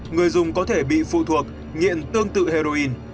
người dùng có thể bị phụ thuộc nghiện tương tự heroin